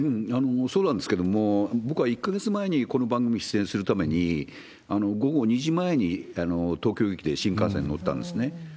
そうなんですけれども、僕は１か月前にこの番組出演するために、午後２時前に東京駅で新幹線乗ったんですね。